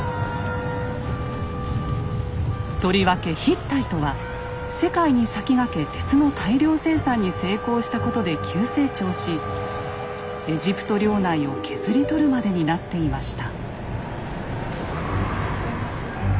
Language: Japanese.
とりわけヒッタイトは世界に先駆け鉄の大量生産に成功したことで急成長しエジプト領内を削り取るまでになっていました。